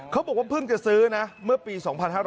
เขาบอกว่าเพิ่งจะซื้อนะเมื่อปี๒๕๕๙